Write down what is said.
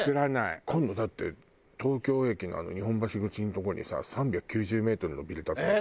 今度だって東京駅の日本橋口のとこにさ３９０メートルのビル建つの知ってる？